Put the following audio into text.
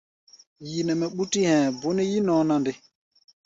Yi nɛ mɛ ɓútí hɛ̧ɛ̧, bó nɛ́ yí-nɔɔ na nde?